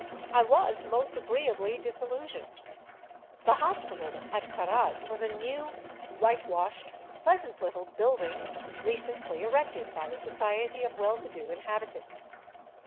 I was most agreeably disil lusioned. The hospital at Caraz was a new, whitewashed, pleasant little building recently erected by a society of well to do inhabitants.